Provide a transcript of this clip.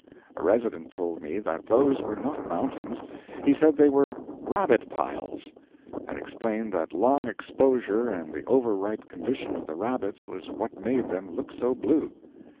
A resident told me that those were not mountains; he said they were rabbit piles. And explained that long exposure and the over ripe condition of the rabbits was what made them look so blue.